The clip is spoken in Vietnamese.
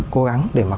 cố gắng để mà